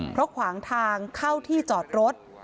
เพราะขวางทางเข้าที่จอดรถ